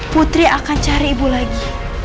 putri akan cari ibu lagi